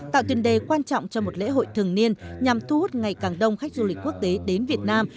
tạo tiền đề quan trọng cho một lễ hội thường niên nhằm thu hút ngày càng đông khách du lịch quốc tế đến việt nam